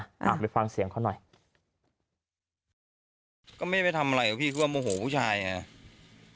อ่าไปฟังเสียงเขาหน่อยก็ไม่ไปทำอะไรกับพี่คือว่าโมโหผู้ชายไง